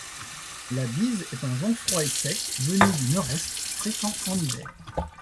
La bise est un vent froid et sec venu du nord-est, fréquent en hiver.